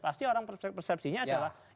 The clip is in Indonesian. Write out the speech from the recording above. pasti orang persepsinya adalah